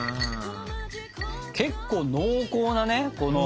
結構濃厚なねこの。